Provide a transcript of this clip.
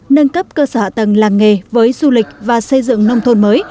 nâng cấp cơ sở hạ tầng làng nghề với du lịch và xây dựng nông thôn mới